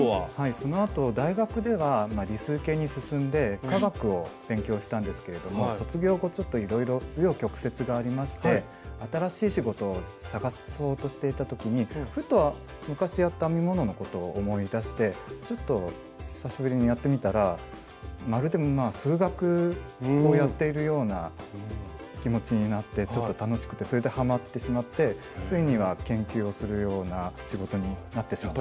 そのあと大学では理数系に進んで化学を勉強したんですけれども卒業後ちょっといろいろ紆余曲折がありまして新しい仕事を探そうとしていた時にふと昔やった編み物のことを思い出してちょっと久しぶりにやってみたらまるで数学をやっているような気持ちになってちょっと楽しくてそれでハマってしまってついには研究をするような仕事になってしまった。